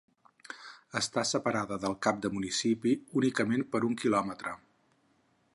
Està separada del cap de municipi, únicament, per un quilòmetre.